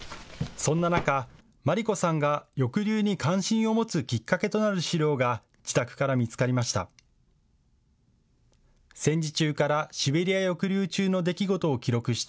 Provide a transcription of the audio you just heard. そんな中、真理子さんが抑留に関心を持つきっかけとなる資料が自宅から見つかりました。